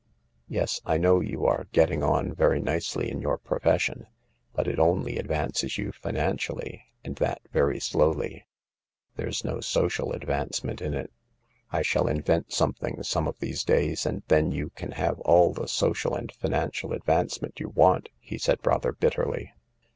Yes, I know you are getting on very nicely in your profession, but it only advances you financially, and that very slowly. There's no social advancement in it." " I shall invent something some of these days, and then you can have all the social and financial advancement you want," he said rather bitterly.